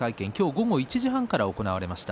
午後１時半から行われました。